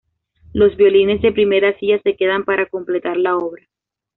Los violines de primera silla se quedan para completar la obra.